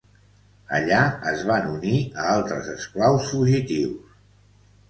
Allà es van unir a altres esclaus fugitius.